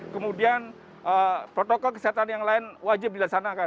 kemudian protokol kesehatan yang lain wajib dilaksanakan